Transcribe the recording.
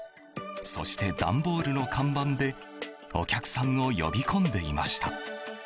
そして、段ボールの看板でお客さんを呼び込んでいました。